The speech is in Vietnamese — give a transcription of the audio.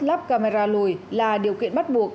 lắp camera lùi là điều kiện bắt buộc